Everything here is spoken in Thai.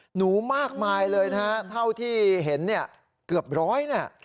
หนูมากมายเลยเท่าที่เห็นเกือบร้อย